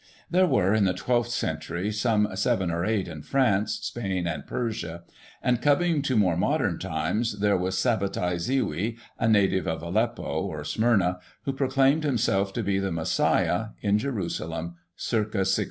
There were, in the 12th century, some seven or eight in France, Spain and Persia ; and, coming to more modem times, there was Sabbatai Zewi, a native of Aleppo, or Sm3niia, who proclaimed himself to be the Messiah, in Jerusalem, circa 1666.